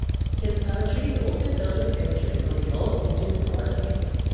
His poetry is also filled with imagery from the old Hindu mythology.